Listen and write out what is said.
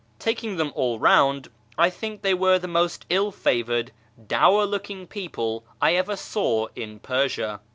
Taking them all round, I thmk they were the most ill favoured, dour looking people I ever saw in Persia.